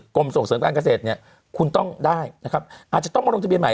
กรมส่งเสริมการเกษตรเนี่ยคุณต้องได้นะครับอาจจะต้องมาลงทะเบียนใหม่